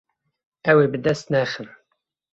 Ew ê bi dest nexin.